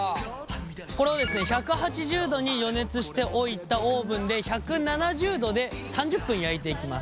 これをですね１８０度に予熱しておいたオーブンで１７０度で３０分焼いていきます。